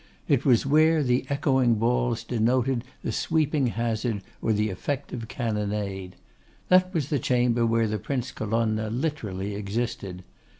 It was where the echoing balls denoted the sweeping hazard or the effective cannonade. That was the chamber where the Prince Colonna literally existed.